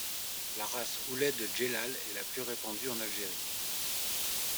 La race Ouled Djellal est la plus répandue en Algérie.